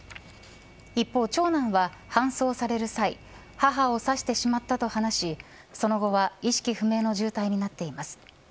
一方、長男は搬送される際母を刺してしまったと話しその後は意識不明の重体となっています。